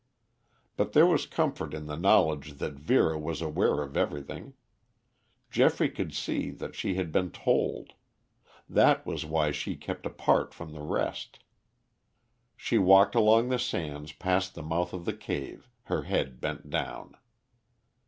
But there was comfort in the knowledge that Vera was aware of everything. Geoffrey could see that she had been told. That was why she kept apart from the rest. She walked along the sands past the mouth of the cave, her head bent down.